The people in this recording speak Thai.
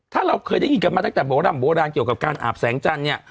ถ้าเราเคยได้ยินกันมาตั้งแต่โบร่ำโบราณเกี่ยวกับการอาบแสงจันทร์เนี่ย